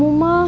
dua jam lebih